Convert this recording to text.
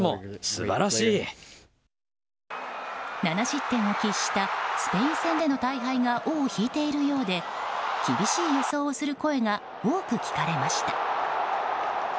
７失点を喫したスペイン戦での大敗が尾を引いているようで厳しい予想をする声が多く聞かれました。